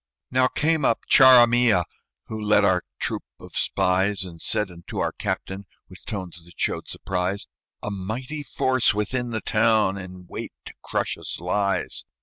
Now came up Charamilla, Who led our troop of spies, And said unto our captain, With tones that showed surprise, "A mighty force within the town, In wait to crush us, lies.